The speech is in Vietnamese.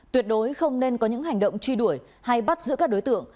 tuyệt đối không nên có những hành động truy đuổi hay bắt giữ các đối tượng